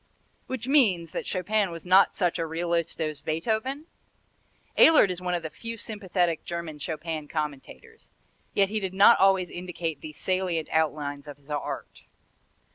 Which means that Chopin was not such a realist as Beethoven? Ehlert is one of the few sympathetic German Chopin commentators, yet he did not always indicate the salient outlines of his art.